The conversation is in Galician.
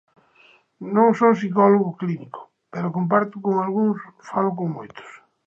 Non son psicólogo clínico, pero comparto con algúns, falo con moitos.